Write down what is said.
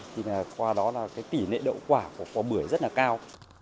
thì qua đó là cái kỷ nệ độ quả của hoa bưởi rất là cao